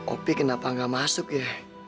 opi kenapa gak masuk ya